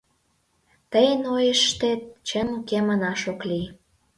— Тыйын ойыштет чын уке манаш ок лий...